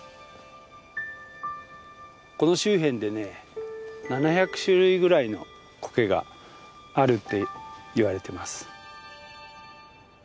この周辺でね７００種類ぐらいのコケがあるっていわれてます。